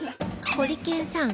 ホリケンさん